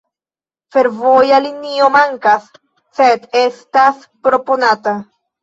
Fervoja linio mankas, sed estas proponata.